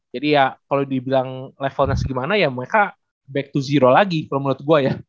jadi ya kalau dibilang levelnya segimana ya mereka back to zero lagi menurut gue ya